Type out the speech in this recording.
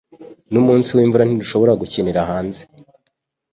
Numunsi wimvura, ntidushobora gukinira hanze.